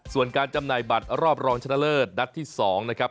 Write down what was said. ส่วนการจำหน่ายบัตรรอบรองชนะเลิศนัดที่๒นะครับ